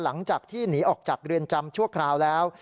หลังจากที่หนีออกจากเรือนจำชั่วคราวแล้ว